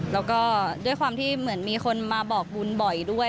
แล้วก็ด้วยความที่เหมือนมีคนมาบอกบุญบ่อยด้วย